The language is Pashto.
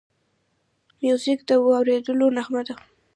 موزیک د ورورولۍ نغمه ده.